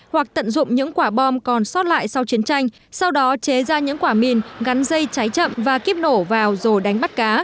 hoặc tận dụng những quả bom còn sót lại sau chiến tranh sau đó chế ra những quả mìn gắn dây cháy chậm và kíp nổ vào rồi đánh bắt cá